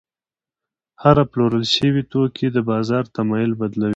هره پلورل شوې توکي د بازار تمایل بدلوي.